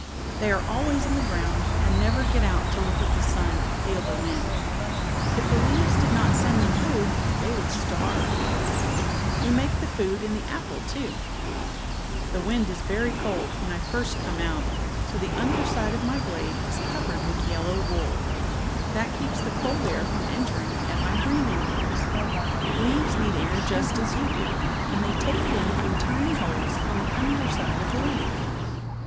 They are always in the ground and never get out to look at the sun or feel the wind If in the apple too " The wind is very cold when I first come out, so the underside *■^"'■'^■ of my blade is covered with yellow wool. That keeps the cold air from entering at my breathing holes. Leaves need air just as you do, and they take it in through tiny holes on the under side of the leaf."